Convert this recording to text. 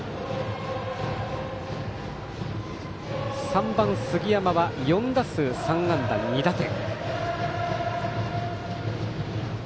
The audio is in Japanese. ３番、杉山は４打数３安打２打点。